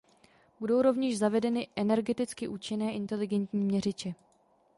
Budou rovněž zavedeny energeticky účinné inteligentní měřiče.